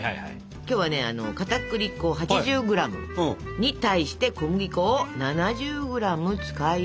今日はねかたくり粉８０ｇに対して小麦粉を７０ｇ使います。